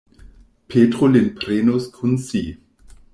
Petro lin prenos kun si.